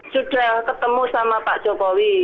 sudah ketemu sama pak jokowi